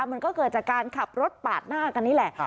มันก็เกิดจากการขับรถปาดหน้ากันนี่แหละ